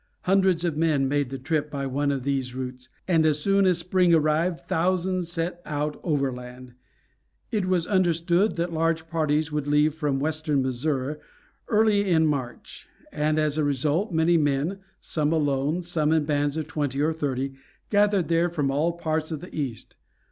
Hundreds of men made the trip by one of these routes, and as soon as spring arrived thousands set out overland. It was understood that large parties would leave from western Missouri early in March, and as a result many men, some alone, some in bands of twenty or thirty, gathered there from all parts of the East.